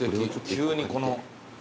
急にこの。